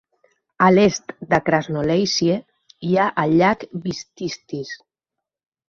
A l'est de Krasnolesye hi ha el llac Vistytis.